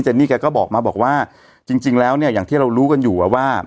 นี่แกก็บอกมาบอกว่าจริงแล้วเนี่ยอย่างที่เรารู้กันอยู่ว่า